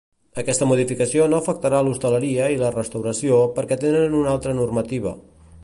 Aquesta modificació no afectarà l'hostaleria i la restauració perquè tenen una altra normativa.